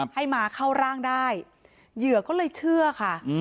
ให้มาเข้าร่างได้เหยื่อก็เลยเชื่อค่ะ